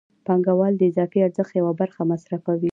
پانګوال د اضافي ارزښت یوه برخه مصرفوي